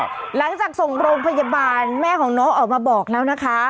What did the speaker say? หลังจากส่งโรงพยาบาลแม่ของน้องออกมาบอกแล้วนะคะ